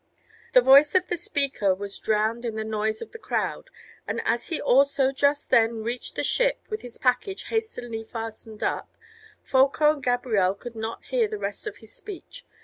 The voice of the speaker was drowned in the noise of the crowd, and as he also just then reached the ship with his package hastily fastened up, Folko and Gabrielle could not hear the rest of his speech.